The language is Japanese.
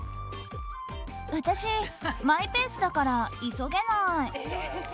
私、マイペースだから急げない。